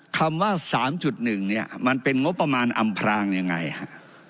คำว่า๓๑เนี่ยมันเป็นงบประมาณอำพรางยังไงฮะ